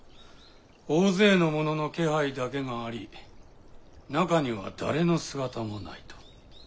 大勢の者の気配だけがあり中には誰の姿もないと。